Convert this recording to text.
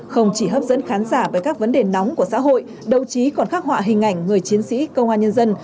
không chỉ hấp dẫn khán giả với các vấn đề nóng của xã hội đấu trí còn khắc họa hình ảnh người chiến sĩ công an nhân dân